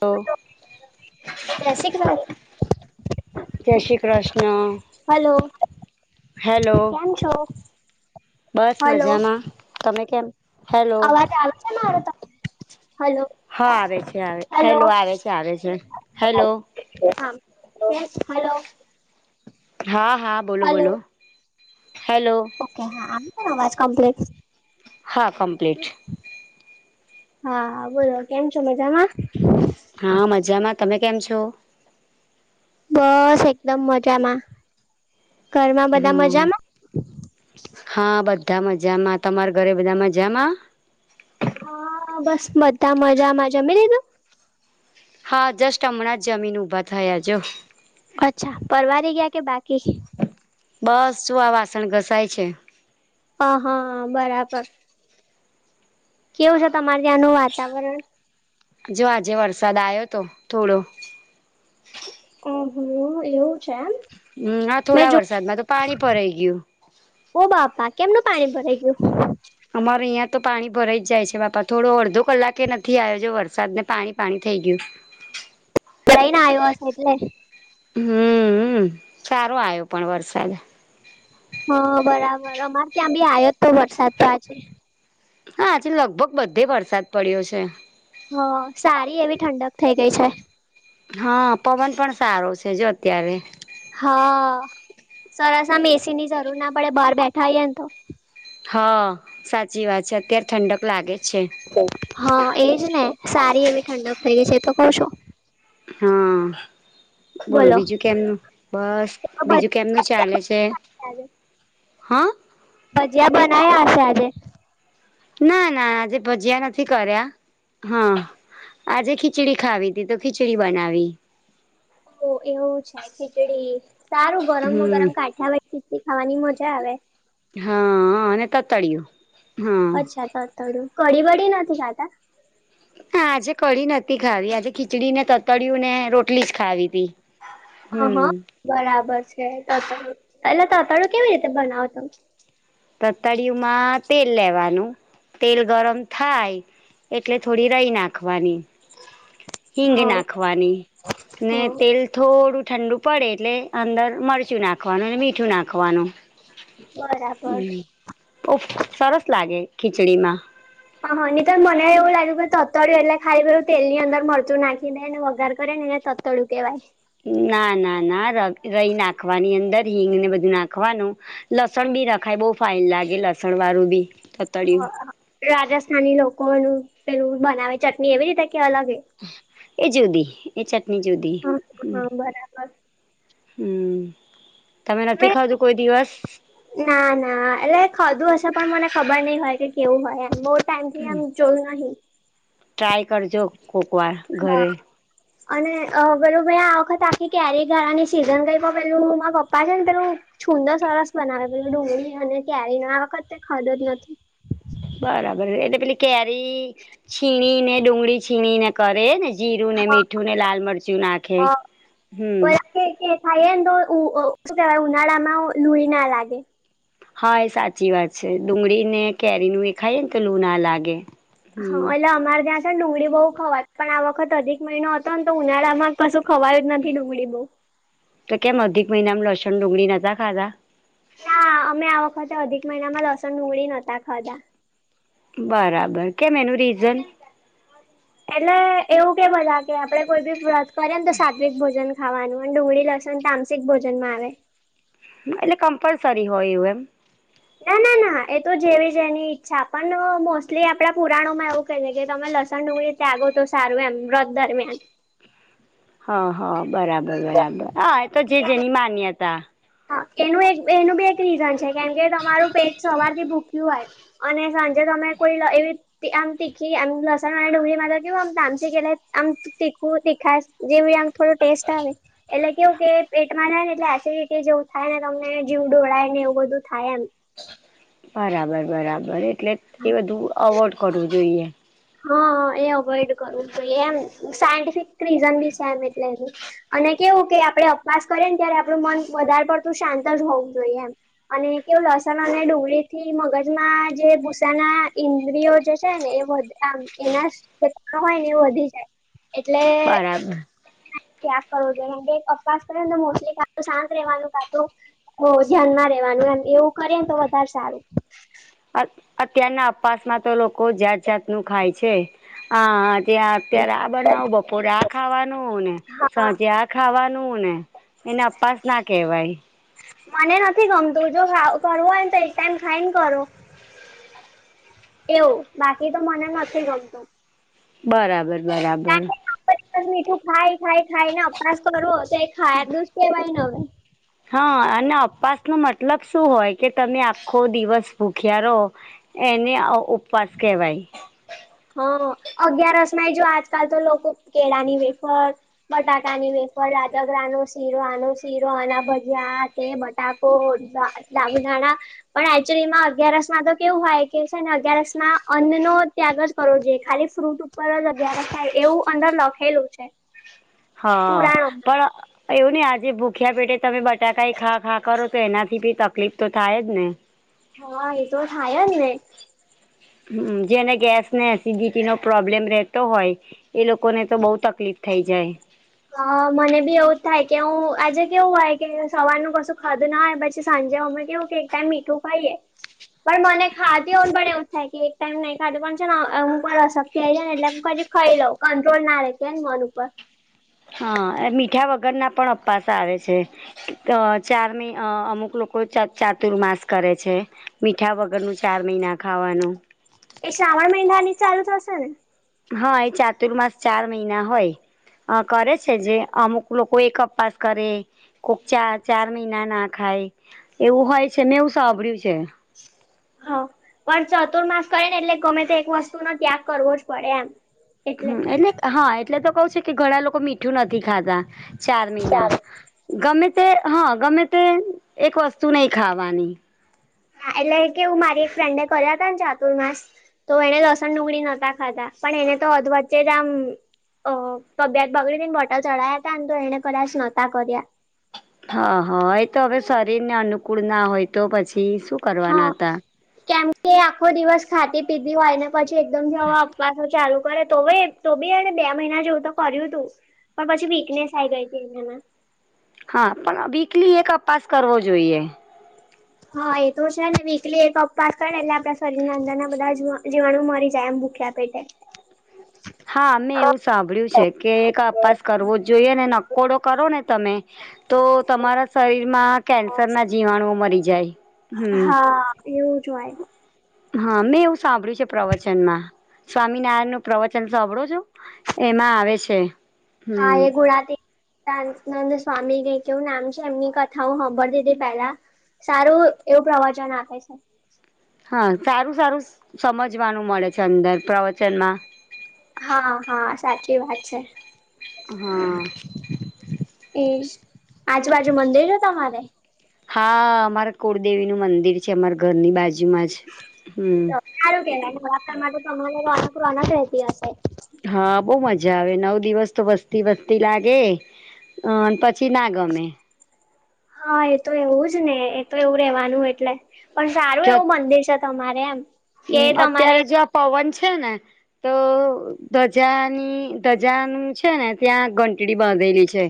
તો જય શ્રી કૃષ જય શ્રી કૃષ્ણ. હલો. હેલો. કેમ છો બસ હલો મજામાં. તમે કેમ? હેલો અવાજ આવે છે મારો તમને? હલો. હા આવે છે, આવે, હલો હેલો આવે છે, આવે છે. હેલો. હા. કેમ, હલો. હા, હા, હલો બોલો-બોલો, હેલો. ઓકે હા. [inaudible] અવાજ કમ્પ્લીટ હા કમ્પ્લીટ. હા, બોલો. કેમ છો? મજામાં? હા મજામાં. તમે કેમ છો? બસ એકદમ મજામાં. ઘરમાં બધા હમ મજામાં? હા બધા મજામાં. તમારા ઘરે બધા મજામાં? હા બસ બધા મજામાં. જમી લીધું? હા જસ્ટ હમણાં જ જમીને ઊભા થયા જો. અચ્છા. પરવારે ગયા કે બાકી? બસ શું આ વાસણ ઘસાય છે. હા હા બરાબર કેવું છે તમારે ત્યાંનું વાતાવરણ જો આજે વરસાદ આવ્યો તો થોડો. ઓહો! એવું છે એમ! હમ્મ. આ મેં થોડા જો વરસાદમાં તો પાણી ભરાઈ ગયું. ઓહ બાપા! કેમનું પાણી ભરાઈ ગયું? અમારે અહીંયાં તો પાણી ભરાઈ જ જાય છે બાપા. થોડો અડધો કલાકે નથી આયો જો વરસાદ, ને પાણી-પાણી થઈ ગયું. ઈને આવ્યો હશે એટલે. હમ, સારો આવ્યો પણ વરસાદ. હા બરાબર અમારે ત્યાં બી આવ્યો તો વરસાદ તો આજે હા આજે લગભગ બધે વરસાદ પડ્યો છે. હ સારી એવી ઠંડક થઈ ગઈ છે. હા પવન પણ સારો છે, જો અત્યારે હા સરસ મેસીની જરૂર ના પડે બહાર બેઠા આવીએને તો હા સાચી વાત છે અત્યારે ઠંડક લાગે છે. હા એજ ને સારી એવી ઠંડઅપ થઈ ગઈ છે તો ક છો. હા બોલો બીજું કેમનું બસ બીજું કેમનું ચાલે છે. હા ભજીયા બના્યા હશે આજે ના ના આજે ભજયા નથી કર્યા હા આજે ખીચડી ખાવી તી તો ખીચડી બનાવી ઓ એવું છે ખીચડી સારું ગરમ હમ ગરમ કાઠા વ સીી ખાવાની મજા આવે હા અને તતાળિયુ. અચ્છા તતડું કડી વડી નથી ખાતા હા આજે કઢી નથી ખાવી આજે ખીચડી ને તતળિયું ને રોટલી જ ખાવી તી હ હમ હા બરાબર છે, તતાળું પેલા તતાળું કેવી રીતે બનાવતો તતળિયુંમાં તેલ લેવાનુ. તેલ ગરમ થાય એટલે થોડી રહી નાખવાની હિંગ હ નાખવાની હમ તેલ થોડું ઠંડુ. પડે એટલે અંદર મરચું નાખવાનું અને મીઠું નાખવાનુ બરા હમ ઓ સરસ લાગે ખીચડી માં હા હા નહી તોર મને એવું લાગ્યું કે તતળું એલે ખાઈ પું તેલ ની અંદર મરચું નાખી દે વગાર કરે નેને તડું કેવાય ના ના ના ર રહી નાખવાની અંદર હિંગને બધું નાખવાનુ. લસણ બી રખાય બહ ફાઇન લાગે લસણ વાળું બી તતળિયું રાજસ્થાની લોકોનું પેલું બનાવે ચટણી એવી રીતે કે અલગ એ એ જુદી એ ચટણી જુદી હમ અચ હમ તમે મે નથી ખાાવતું કોઈ દિવસ ના ના એટલે ખધું હશે પણ મને ખબર નહી હોય કે કેવું હોય એમ બહુ ટાઈમ થી એમ ચલું નહી. ટ્રાય કરજો કોકવાર હા ઘરે અને પેલું ભાઈ આ વખત આખી કેરી કરવાની સિઝન કઈ પેલું મારા પપ્પા છેને, પેલુ છુંદો સરસ બનાવે પું ડુંગળી અને ક્યારેય આ વખતે ખદ જ નથી. બરાબર એલે પેલી કેરી છીણી ને ડુંગળી છીણીને કરે ને જીરું ને હ મીઠું ને લાલ મરચું નાખે હમ ખાઈ ને તો શું કેવાય ઉનાળામાં લુળ ના લાગે. હા એ સાચી વાત છે, ડુંગળી ને કેરીનું એ ખાય ને તો લું ના લાગે. હમ હા એટે અમારે ત્યા. ડુંગળી બહુ ખવા પણ આ વખત અધિક મહિનો હતો ને તો ઉનાળામાં કશું ખવાય જ નથી ડુંગળી બહુ. તો કેમ અધિક મહિનામાં લસણ ડુંગળી નતા ખાધા ના અમે આ વખતે અધિક મહિનામાં લસણ ઉગળી નતા ખાધા બરાબર કેમ એનું રીઝન એટલે એવું કે બધા કે આપડે કોઈ બી વ્રત કરેને તો સાત્વિક ભોજન ખાવાનું અને ડુંગળી લસણ તામસિક ભોજન માં આવે. એટલે કમ્પલસરી હોય એવું એમ. ના ના ના એ તો જેવી જ એની ઈચ્છા પણ મોસ્ટલી આપણા પુરાણોમાં એવું કેહે છે કે તમે લસણ ડુંગળી ત્યાગો તો સારું એમ વ્રત દરમિયાન. હ હ બરાબર બરાબર હ એ તો જે જેની માન્યતા. હા એનું એક એનું બી એક રીઝન છે કેમ કે તમારું પેટ સવારથી ભૂખ્યું હોય. અને સાંજે તમે કોઈ એવી. આમ તીખી આમ લસણ અને ડુંગરી મા તો કેવું તાનસિક ક આમ. તીખવું તીખાસ જેવ આમ થોડું ટેસ્ટ આવે એટલે કેવું કે પેટમાં ના ને એટલે એસીડી જેવું થાય ને તમને જીવ ડોળાય ને એવું બધું થાય એમ. બરાબર બરાબર એટલે એ બધું અવોડ કરવું જોઈએ. હા એ અવોઈડ કરવું તો એમ સાયન્ટિફિક રીઝન બી છે એમ એટલે એનું અને કેવું કે આપડણે અપવાસ કરીએ ને ત્યારે આપણું મન વધારે પડતું શાંત જ હોવું જોઈએ એમ અને કેવું લસણ અને ડુંગળી થી મગજમાં જે ગુસ્સાના ઇન્દ્રિયો જે છે. છે ને એ વધે આ એના જે તત્વો [unintelligible] હોય ને એવ વધી જાય એટલે બરાબર ત્યાગ કરવો જોઈએમ કે અપવાશ કરીને મોસ્ટલી કા શાંત રેવાનું કા તો હો ધ્યાનમાં રેવાનું એમ એવું કરે ને તો વધારે સારું. અત્યારના અપાસમાં તો લોકો જાત જાતનું ખાય છે આ ત્યાં અત્યારે આ બનાવો બપોરે આ ખાવાનું ને હા સાજ્યા ખાવાનું. ને એને અપાસ ના કહેવાય. મને નથી ગમતું જો કરવું હોય ને તો એક ટાઈમ ખાઈને કરો. એવું બાકી તો મને નથી ગમતું. બરાબર બરાબર. આપ મીઠું ખાય ખાય ખાય ને અપાસ કરવો તો એ ખા નું જ કેહેવાય ન હવે. હા અને અપાસ નો મતલબ શું હોય કે તમે આખો દિવસ ભૂખ્યા રહો એને અ ઉપવાસ કહેવાય. હા અગિયારસ માંય જો આજકાલ તો લોકો કેળા ની વેફર બટાકાની વેફર, રાજગરાનો શીરો, આનો શીરો, આના ભજીયા, આ તે બટા ઓ લ બ [unintelligible] નાણા [unintelligible] પણ એકચુલી માં અગિયારસ માં તો કેવું હોય કે છે ને અગિયારસ માં અન્ન નો ત્યાગ કરો જે ખાલી ફ્રૂટ ઉપર જ અગિયારસ થાય એવું અંદર લખેલું છે. હા પુરાણોમાં પણ એવું ને આજે ભૂખ્યા પેટે તમે બટાકાએ ખા ખા કરો તો એનાથી બી તકલીફ તો થાય જ ને હા એ તો થાય જ ને હમ જેને ગેસને એસિડિટીનો પ્રોબ્લેમ રહેતો હોય એ લોકોને તો બઉુ તકલીફ થઈ જાય. અ મને બી એવું જ થાય કે હું આજે કેવું આઈ ગઈ સવારનું કશું ખાધું ના હોય પછી સાંજે અમે કેવું એક ટાઈમ મીઠું ખાઇએ. પણ મને ખાધી હો પણ એવું જ થાય કે એક ટાઈમ નહી ખાધું પણ છે હું પણ અશક્તિ આઈ જાય ને એટલે કે ખઈ લઉ કંટ્રોલ ના રે કે ને મન ઉપર હ અને મીઠા વગરના પણ અપાસ આવે છે. અ ચારમી અ અમુક લોકો ચાતુર્માસ કરે છે. મીઠા વગરનું ચાર મહિના ખાવાનું. એ શ્રાવણ મહિના ની ચાલુ થશે. હા એ ચાતુર્માસ ચાર મહિના હોય, અ કરે છે જે અમુક લોકો એકઅપાસ કરે. કોક ચા ચાર મહિના ના ખાય એવું હોય છે, મેંવું સાંભળ્યું છે. હા. પણ ચતુર્માસ કરે ને એટલે ગમે તો એક વસ્તુ નો ત્યાગ કરવો જ પડે એમ એટલે હ એટલે તો કવુ છું કે ઘણા લોકો મીઠું નથી ખાતા, ચાર મહિના. ચાલ ગમે તે હ ગમે તે એક વસ્તુ નહી ખાવાની. હા એટલે કેવું મારી ફ્રેન્ડને કર્યા તાને ચાતુર્માસ. તો એને લસણ ડુંગળી નતા ખાતા પણ એને તો અધ વચ્ચે જ આમ ઓ તબેત બગડી તી મારી બોટલ ચળાયા ત તો એને કદાચ એ જ પડેનતા કર્યા. હા હા એ તો હવે શરીરને અનુકૂળ ના હોય તો પછી શું કરવાના હતા. તે આખો દિવસ ખાતી પીધી હોય ને પછી એકદમ જવા આવવાનું સીધું અને તો યે તો બી એને બે મહિના જેવું તો કર્યું તું પણ પછી વીકનેસ આઈ ગઈ તી. હા પણ વીકલી એક અપાસ કરવો જોઈએ. હા એ તો છે ને વીકલી એક અપસ કરે એટલે આપણા શરીરના અંદરના બધા જીવાણુ મરી જાય એમ ભૂખ્યા પેટે. [inaudible] હા મે એવું સાંભળ્યું છે કે એક અપાસ કરવો જોઈએ ને નકોડો કરો ને તમે. તો તમારા શરીરમાં કેન્સર ના જીવાણુઓ મરી જાય. હમ હા એવું જ હોય. હા મેં એવું સાંભળ્યું છે પ્રવચનમાં, સ્વામિનારાયણ નું પ્રવચન. સાંભળો છો એમાં આવે છે. હા હમ એ ગુણાથી નંદ સ્વામી ક કેવું નામ છે એમની કથા હું સાંભળતી તી પેલા. સારું એવું પ્રવચન આપે છે. હા સારું સારું સમજવાનું મળે છે અંદર પ્રવચનમાં. હા હા સાચી વાત છે. હા એ આજુબાજુ મંદિર ને તમારે? હા અમારે કુળદેવી નું મંદિર છે અમારા ઘરની બાજુમાં જ હમ. સારું કેવાને બળાત [unintelligible] કાર માટે તો અમારે અનકૂ અનક રતી હશે. હા બહુ મજા આવે નવ દિવસ તો વસતી વસતી લાગે, અને પછી ઇ ના ગમે. હા એ તો એવું જ ને એ તો એવું રેવાનું એટલે. પણ સારું એવું મંદિર છે તમારે એમ. કે હમ તમારે અત્યારે જો આ પવન છે ને. તો ધજાની ધજાનું છે ને ત્યાં ઘંટડી બાંધેલી છે.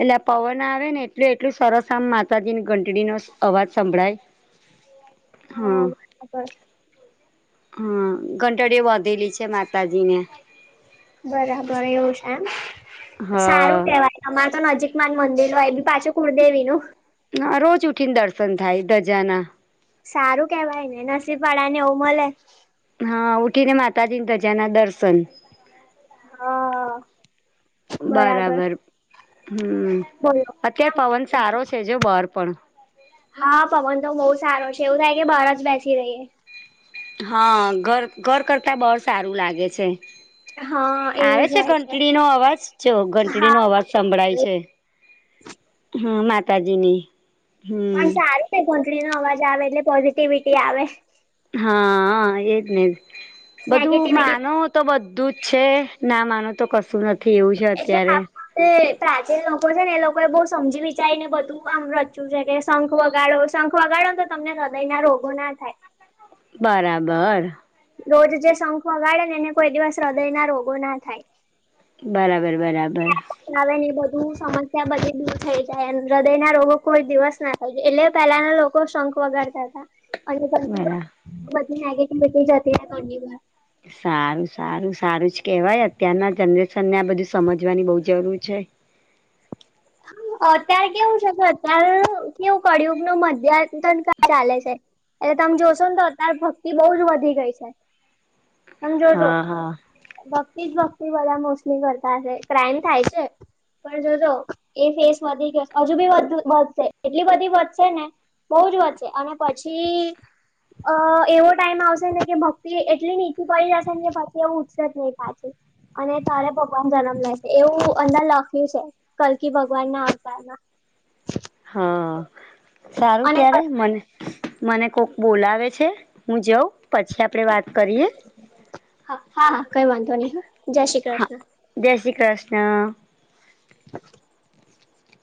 એટલે આ પવન આવે ને એટલું એટલું સરસ આમ માતાજીની ઘંટડીનો અવાજ સંભળાય. [inaudible] હા. ખબર. હમ ઘંટડી બાધેલી છે માતાજી ને. બરાબર એવું છે એમ, સારું હા કેહેવાય. તમારે તો નજીક માં જ મંદિર હોય બી પાછું કુળદેવી નું. ના રોજ ઉઠી ને દર્શન થાય ધજાના. સારું કેવાય ને નસીબ પાડા ને એવું મળે. હા ઉઠી ને માતાજીની ધજા ના દર્શન. હા બરાબર હમ, બોલો અત્યારે પવન કેમ સારો છે જો બહાર પણ. હા પવન તો બહુ સારો છે એવું થાય કે બહાર જ બેસી રહીએ. હા ઘર ઘર કરતા બહ સારું લાગે છે. હા આવે એવું જ છે હોય ઘંટડીનો અવાજ જો હા ઘંટડીનોો અવાજ સંભળાય છે. પણ હા માતાજીની. પણ હમ સારું છે કોટળ નો અવાજ આવે એટલે પોઝિટિવિટી આવે. હા એજ ને જ બધું નેગેટિવિટી માનો. તો બધું જ છે ના માનું તો કશું નથી એવું છે અત્યારે. એ પ્રાચીન લોકો છે ને એ લોકો એ બહ સમજી વિચારીને બધું કામ રચ્યું છે કે શંખ વગાડો શંખ વગાડો તો તમને હૃદય ના રોગો ના થાય બરાબર રોજ જે શંખ વગાડે ને એને કોઈ દિવસ હૃદય ના રોગો ના થાય. બરાબર બરાબર આવે ને બધું સમસ્યા બધી દૂર થઈ જાય હૃદય ના રોગો કોઈ દિવસ ના એટલે પેલાના લોકો શોખ વગાડતા હતા. અને ઘ બરા બધી નેગેટિવિટી જતીની સારું સારું સારું જ કહેવાય અત્યારના જનરેશનને આ બધું સમજવાની બહુ જરૂર છે. અત્ય્યારે કેવું છે કે અતાર કેવું કળિયુગ નું મધ્યાન ચાલે છે. એટલે તમે જોશો ને તો અત્યારે ભક્તિ બહ જ વધી ગઈ છે. હ જોજો હા હા ભક્તિ જ ભક્તિ બધા મોસ્ટલી કરતા હશે ક્રાઈમ થાય છે પણ જોજો. એ ફેસ વધી ગયો હજુ બી વધશે એટલી બધી વધશે ને બહુ જ વધશે અને પછી. અ એવો ટાઈમ આવશે ને કે ભક્તિ એટલી નીચી પડી જશે કે ભતિ એવું ઉત્સજ નહી થાય છે. અને તારે ભગવાન જન્મ લેશે એવું અંદર લખ્યું છે. કે ભગવાન ના આવત હા સારું અને ત્યારે મને મને કોક બોલાવે છે હું જઉં પછી આપડે વાત કરીએ. હા હા હા કઈ વાંધો નહી હા જય શ્રી હા કૃષ્ણ. જય શ્રી કૃષ્ણ. [inaudible]